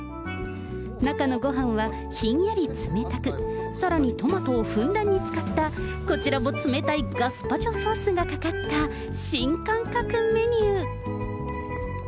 中のごはんはひんやり冷たく、さらにトマトをふんだんに使った、こちらも冷たいガスパチョソースがかかった新感覚メニュー。